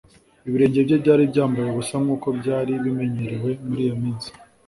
Ibirenge bye byari byambaye ubusa nkuko byari bimenyerewe muri iyo minsi